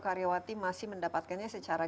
karyawati masih mendapatkannya secara